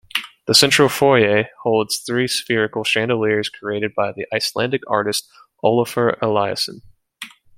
The central foyer holds three spherical chandeliers created by the Icelandic artist Olafur Eliasson.